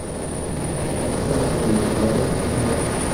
كان سامي بحاجة للتّمرّن.